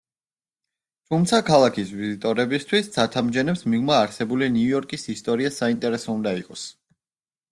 თუმცა, ქალაქის ვიზიტორებისთვის, ცათამბჯენებს მიღმა არსებული ნიუ-იორკის ისტორია, საინტერესო უნდა იყოს.